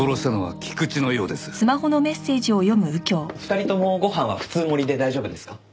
２人ともご飯は普通盛りで大丈夫ですか？